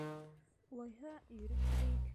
Улайһа, йөрөп киләйек.